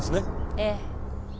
ええ。